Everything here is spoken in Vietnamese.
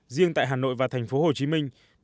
riêng tại hà nội và thành phố hồ chí minh